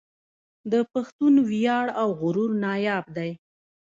د پښتون وياړ او غرور ناياب دی